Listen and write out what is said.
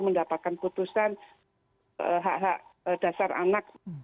mendapatkan putusan hak hak dasar anak